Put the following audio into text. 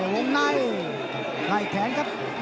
วงในไล่แขนครับ